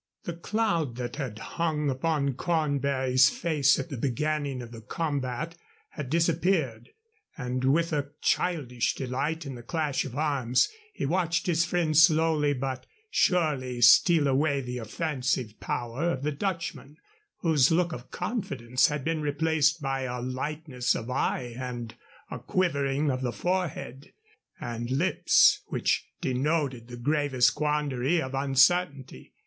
The cloud that had hung upon Cornbury's face at the beginning of the combat had disappeared, and with a childish delight in the clash of arms he watched his friend slowly but surely steal away the offensive power of the Dutchman, whose look of confidence had been replaced by a lightness of eye and a quivering of the forehead and lips which denoted the gravest quandary of uncertainty.